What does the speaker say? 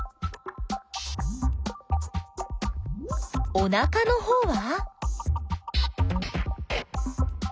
おなかのほうは？